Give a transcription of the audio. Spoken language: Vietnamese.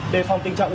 để phòng tình trạng